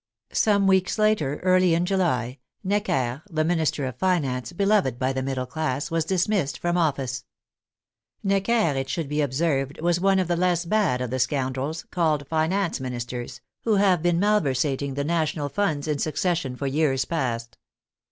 Some weeks later, early in July, Necker, the Minister of Finance, beloved by the middle class, was dismissed from office. Necker, it should be observed, was one of the less bad of the scoundrels, called finance ministers, who have been malversating the national funds in succession for years past.